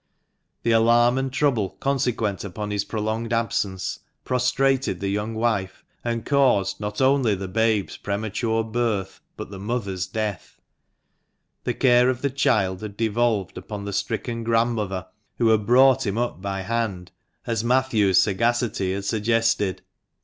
The alarm and trouble consequent upon his prolonged absence prostrated the young wife, and caused not only the babe's premature birth, but the mother's death. The care of the child had devolved upon the stricken grandmother, who had brought him up by hand, as Matthew's sagacity had suggested.